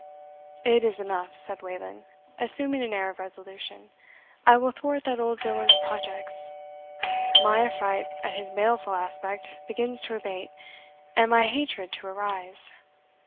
"It is enough," said Wayland, assuming an air of resolution. "I will thwart that old villain's projects; my affright at his baleful aspect begins to abate, and my hatred to arise.